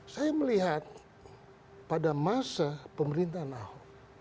saya melihat pada masa pemerintahan ahok